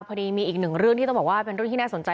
พอดีมีอีกหนึ่งเรื่องที่ต้องบอกว่าเป็นเรื่องที่น่าสนใจ